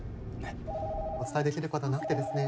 お伝えできることはなくてですね